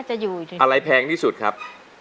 อะไรแพงที่สุดครับ